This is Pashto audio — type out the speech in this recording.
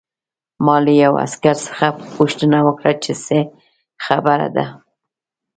ما له یوه عسکر څخه پوښتنه وکړه چې څه خبره ده